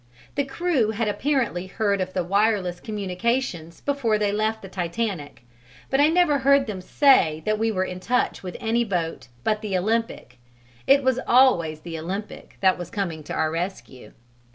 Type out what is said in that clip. The crew had apparently heard of the wireless communications before they left the Titanic, but I never heard them say that we were in touch with any boat but the Olympic: it was always the Olympic that was coming to our rescue.